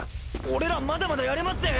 俺らまだまだやれますぜ！